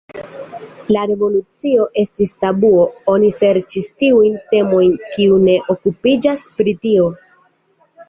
La revolucio estis tabuo, oni serĉis tiujn temojn, kiuj ne okupiĝas pri tio.